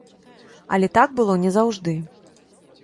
Але так было не заўжды.